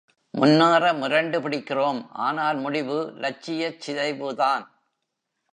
முன்னேற முரண்டு பிடிக்கிறோம், ஆனால் முடிவு லட்சியச் சிதைவுதான்.